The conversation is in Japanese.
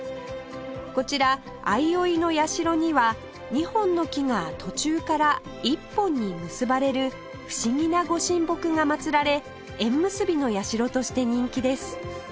こちら相生社には２本の木が途中から１本に結ばれる不思議な御神木がまつられ縁結びの社として人気です